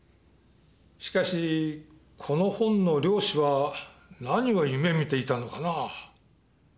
しかしこの本の漁師は何を夢みていたのかな？